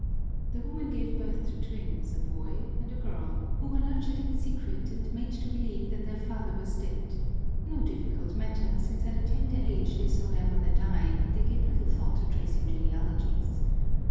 The woman gave birth to twins, a boy and a girl, who were nurtured in secret and made to believe that their father was dead no difficult matter, since at a tender age they saw their mother die, and they gave little thought to tracing genealogies.